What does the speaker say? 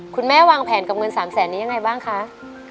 คุณแม่วางแผนกับเงินสามแสนนี้ยังไงบ้างคะ